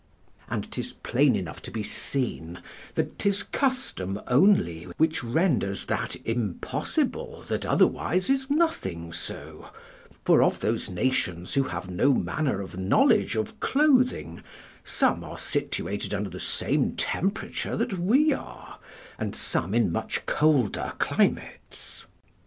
And 'tis plain enough to be seen, that 'tis custom only which renders that impossible that otherwise is nothing so; for of those nations who have no manner of knowledge of clothing, some are situated under the same temperature that we are, and some in much colder climates.